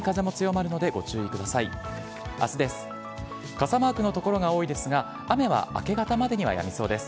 傘マークの所が多いですが、雨は明け方までにはやみそうです。